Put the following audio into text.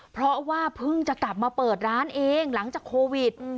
เพราะว่าเพิ่งจะกลับมาเปิดร้านเองหลังจากโควิด